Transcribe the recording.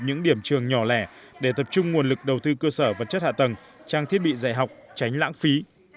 những điểm trường nhỏ lẻ để tập trung nguồn lực đầu tư cơ sở vật chất hạ tầng trang thiết bị dạy học tránh lãng phí